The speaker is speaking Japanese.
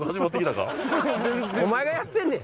お前がやってんねや！